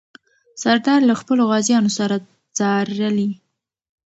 سردار له خپلو غازیانو سره ځارلې.